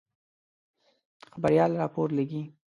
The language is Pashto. خبریال راپور لیکي.